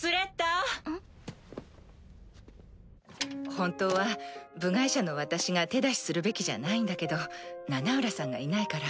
本当は部外者の私が手出しするべきじゃないんだけどナナウラさんがいないから。